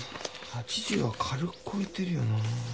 ８０は軽く超えてるよな。